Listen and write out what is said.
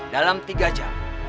dalam tiga jam